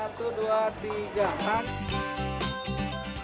satu dua tiga